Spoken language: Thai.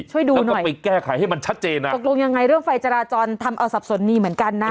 ช่วยดูแล้วก็ไปแก้ไขให้มันชัดเจนอ่ะตกลงยังไงเรื่องไฟจราจรทำเอาสับสนดีเหมือนกันนะ